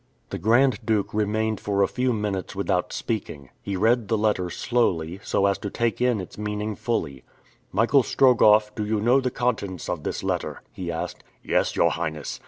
The Grand Duke remained for a few minutes without speaking. He read the letter slowly, so as to take in its meaning fully. "Michael Strogoff, do you know the contents of this letter?" he asked. "Yes, your Highness.